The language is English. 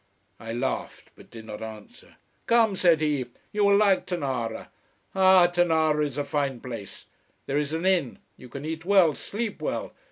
I laughed, but did not answer. "Come," said he. "You will like Tonara! Ah, Tonara is a fine place. There is an inn: you can eat well, sleep well.